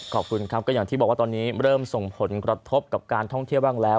ขอบคุณครับก็อย่างที่บอกว่าตอนนี้เริ่มส่งผลกระทบกับการท่องเที่ยวบ้างแล้ว